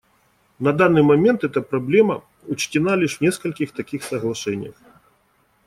На данный момент эта проблема учтена лишь в нескольких таких соглашениях.